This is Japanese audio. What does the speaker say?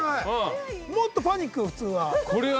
もっとパニック普通は。